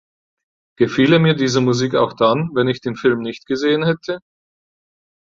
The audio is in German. Gefiele mir diese Musik auch dann, wenn ich den Film nicht gesehen hätte?